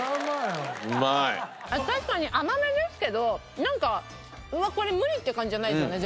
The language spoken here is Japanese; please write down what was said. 確かに甘めですけどなんか「うわこれ無理！」って感じじゃないですよね